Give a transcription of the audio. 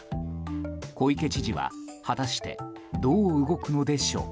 小池知事は果たしてどう動くのでしょうか。